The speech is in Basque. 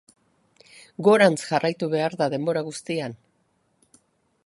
Gorantz jarraitu behar da denbora guztian.